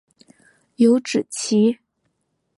有脂鳍。